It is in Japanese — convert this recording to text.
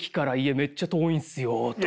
めっちゃ遠いんすよ」とか。